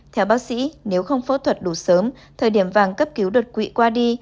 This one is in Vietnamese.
theo bác sĩ nếu không phẫu thuật đủ sớm thời điểm vàng cấp cứu đột quỵ qua đi